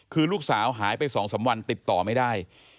คือนรูกสาวหายไปสองสามวันไม่ได้ติดต่อ